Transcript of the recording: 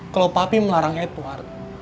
kalau papih melarang edward